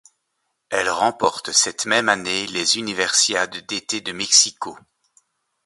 Elle remporte cette même année les Universiades d'été de Mexico.